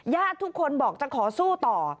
ญาติทุกคนบอกจะขอสู้ต่อ